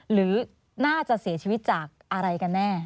หรือน่าจะเสียชีวิตจากอะไรกันแน่